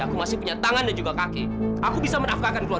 atau besar jajak saja